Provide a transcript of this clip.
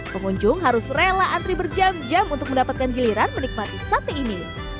pengunjung harus rela antri berjam jam untuk mendapatkan giliran menikmati sate ini